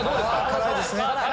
辛いですね。